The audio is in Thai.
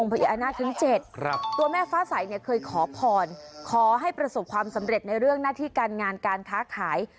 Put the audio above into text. พญานาคทั้ง๗ตัวแม่ฟ้าใสเนี่ยเคยขอพรขอให้ประสบความสำเร็จในเรื่องหน้าที่การงานการค้าขาย